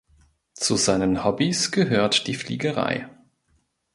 Zu seinen Hobbys gehört die Fliegerei.